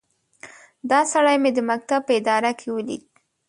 دا سړی مې د مکتب په اداره کې وليد.